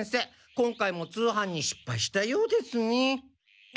今回も通販に失敗したようですね。